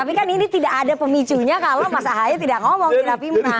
tapi kan ini tidak ada pemicunya kalau mas ahaya tidak ngomong di rapimnas